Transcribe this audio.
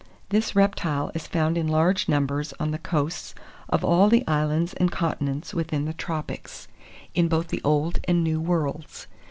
This reptile is found in large numbers on the coasts of all the islands and continents within the tropics, in both the old and new worlds.